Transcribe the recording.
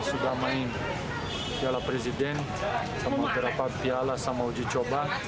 sudah main piala presiden sama beberapa piala sama uji coba